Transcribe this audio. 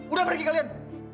udah pergi kalian